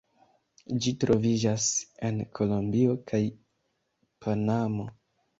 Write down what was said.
Ĝi troviĝas en Kolombio kaj Panamo.